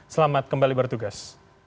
selamat kembali bertugas